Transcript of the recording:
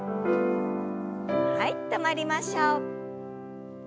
はい止まりましょう。